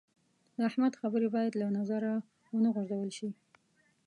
د احمد خبرې باید له نظره و نه غورځول شي.